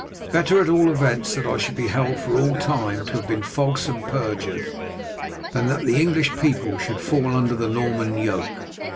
Better at all events that I should be held for all time to have been false and perjured, than that the English people should fall under the Norman yoke.